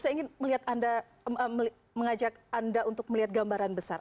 saya ingin mengajak anda untuk melihat gambaran besar